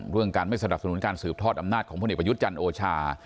เรื่องการไม่สนับสนุนการสืบทอดอำนาจของพลเอกประยุทธ์จันทร์โอชา